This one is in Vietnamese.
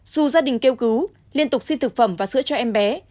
dù gia đình kêu cứu liên tục xin thực phẩm và sữa cho em bé